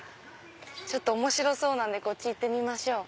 ちょっと面白そうなんでこっち行ってみましょう。